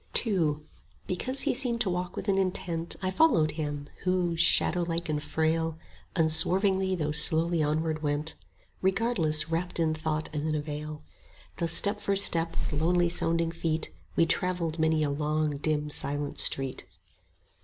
II Because he seemed to walk with an intent I followed him; who, shadowlike and frail, Unswervingly though slowly onward went, Regardless, wrapt in thought as in a veil: Thus step for step with lonely sounding feet 5 We travelled many a long dim silent street.